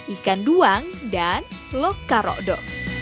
ikan duang dan loka rokdo